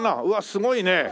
うわあすごいね！